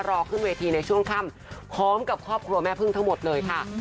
รอขึ้นเวทีในช่วงค่ำพร้อมกับครอบครัวแม่พึ่งทั้งหมดเลยค่ะ